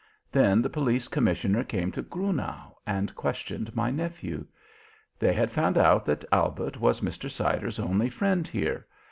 "Then the Police Commissioner came to Grunau and questioned my nephew. They had found out that Albert was Mr. Siders' only friend here.